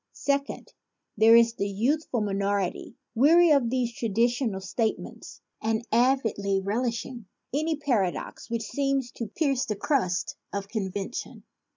Second, there is a youth ful minority, weary of these traditional state ments and avidly relishing any paradox which seems to pierce the crust of convention.